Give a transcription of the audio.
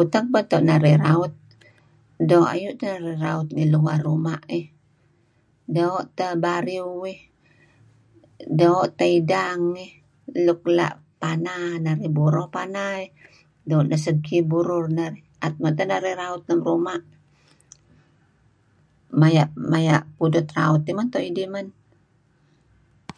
Utak beto' narih raut doo' ayu' teh narih raut ngi laih ruma' iih. Doo' teh Bariew iih doo' tah idang iih nuk la' pana man narih. Buro pana doo' segki burur. 'At mto' narih raut ngi ruma' maya' maya' pudut raut tidih meto'.